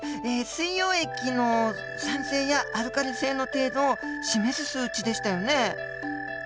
水溶液の酸性やアルカリ性の程度を示す数値でしたよね？